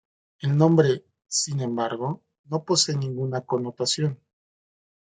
El nombre, sin embargo, no posee ninguna connotación.